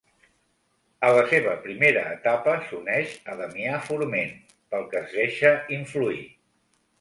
A la seva primera etapa s'uneix a Damià Forment, pel que es deixa influir.